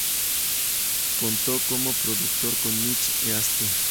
Contó como productor con Mitch Easter.